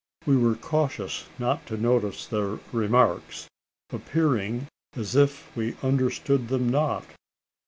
We were cautious not to notice their remarks appearing as if we understood them not.